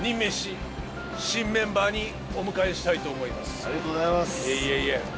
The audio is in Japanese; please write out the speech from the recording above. ありがとうございます。